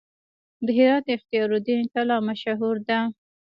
د هرات اختیار الدین کلا مشهوره ده